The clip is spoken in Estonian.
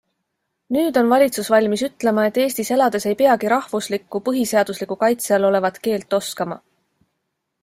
Nüüd on valitsus valmis ütlema, et Eestis elades ei peagi rahvuslikku, põhiseadusliku kaitse all olevat keelt oskama.